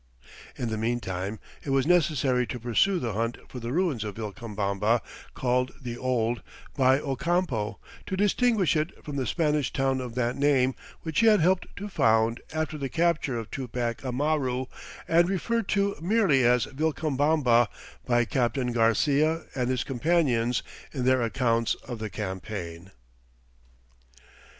In the meantime it was necessary to pursue the hunt for the ruins of Vilcabamba called "the old" by Ocampo, to distinguish it from the Spanish town of that name which he had helped to found after the capture of Tupac Amaru, and referred to merely as Vilcabamba by Captain Garcia and his companions in their accounts of the campaign.